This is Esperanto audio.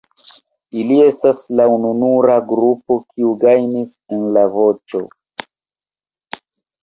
Ili estas la ununura grupo kiu gajnis en La Voĉo.